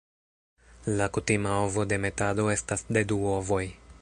La kutima ovodemetado estas de du ovoj.